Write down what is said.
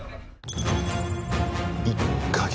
１か月。